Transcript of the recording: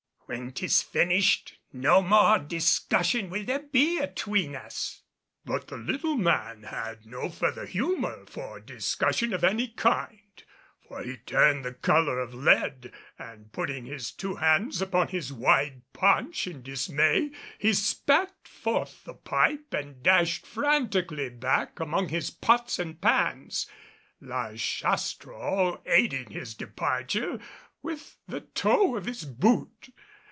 When 'tis finished, no more discussion will there be atween us." But the little man had no further humor for discussion of any kind, for he turned the color of lead, and, putting his two hands upon his wide paunch in dismay, he spat forth the pipe and dashed frantically back among his pots and pans, La Chastro aiding his departure with the toe of his boot.